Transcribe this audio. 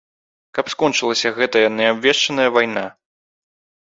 Каб скончылася гэтая неабвешчаная вайна.